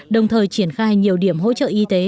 đồng thời triển khai nhiều điểm hỗ trợ y tế